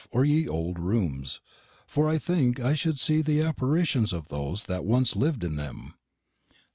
or ye old roomes; for I think I shou'd see the aparishions of those that once liv'd in them.